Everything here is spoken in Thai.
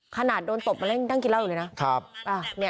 ขนาดโดนตบมันเล่นนั่งกินเหล้าอยู่เลยนะ